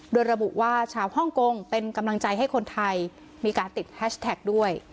โดยระบุว่าชาวฮ่องกงเป็นกำลังใจให้คนไทยมีการติดแฮชแท็กด้วย